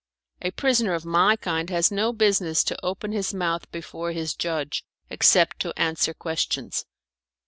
A prisoner of my kind has no business to open his mouth before his judge, except to answer questions.